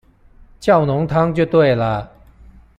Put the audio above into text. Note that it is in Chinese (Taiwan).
叫濃湯就對了